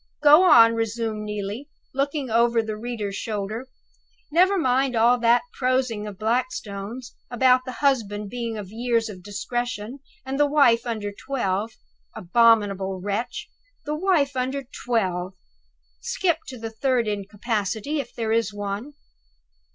Go on," resumed Neelie, looking over the reader's shoulder. "Never mind all that prosing of Blackstone's, about the husband being of years of discretion, and the wife under twelve. Abominable wretch! the wife under twelve! Skip to the third incapacity, if there is one."